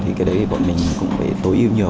thì cái đấy thì bọn mình cũng phải tối ưu nhiều